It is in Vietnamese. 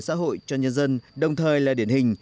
xã hội cho nhân dân đồng thời là điển hình